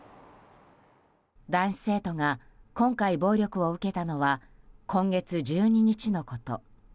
男子生徒が今回暴力を受けたのは今月１２日のこと。